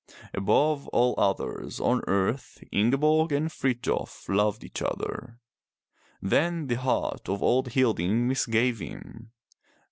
Above all others on earth Ingeborg and Frithjof loved each other. Then the heart of old Hilding misgave him.